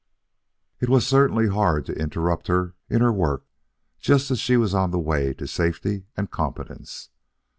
It certainly was hard to interrupt her in her work just when she was on the way to safety and competence.